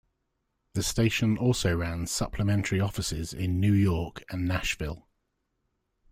The station also ran supplementary offices in New York and Nashville.